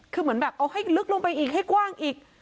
คือเหมือนแบบเอาให้ลึกลงไปอีกให้กว้างอีก